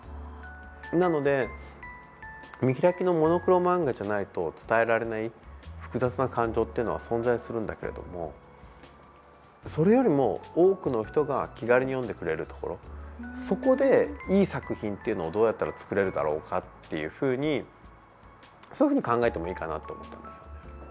なので、見開きのモノクロ漫画じゃないと伝えられない複雑な感情っていうのは存在するんだけれどもそれよりも多くの人が気軽に読んでくれるところそこで、いい作品っていうのをどうやったら作れるだろうかっていうふうにそういうふうに考えてもいいかなと思ったんですよ。